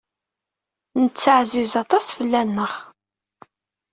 Netta ɛziz aṭas fell-aneɣ.